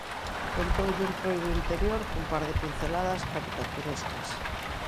Contoulle o Entroido interior cun par de pinceladas caricaturescas.